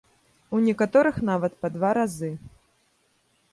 У некаторых нават па два разы.